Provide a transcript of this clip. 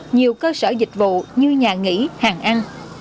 nhiều cơ sở dịch vụ như nhà nghỉ hàng ăn